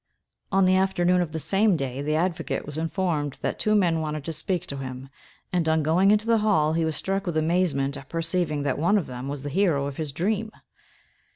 On the afternoon of the same day, the advocate was informed that two men wanted to speak to him, and, on going into the hall, he was struck with amazement at perceiving that one of them was the hero of his dream!